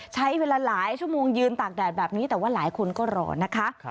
ใช้เวลาหลายชั่วโมงยืนตากแดดแบบนี้แต่ว่าหลายคนก็รอนะคะ